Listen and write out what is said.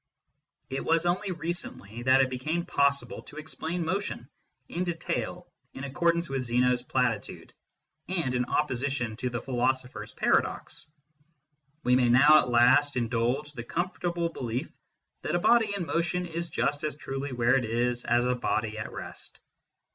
It was only recently that it became possible to explain motion in detail in accord ance with Zeno s platitude, and in opposition to the philosopher s paradox. We may now at last indulge the comfortable belief that a body in motion is just as truly where it is as a body at rest.